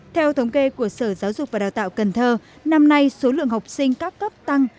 theo thống kê của sở giáo dục và đào tạo cần thơ năm nay số lượng học sinh các cấp tăng